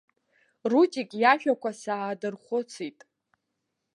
Рудик иажәақәа саадырхәыцит.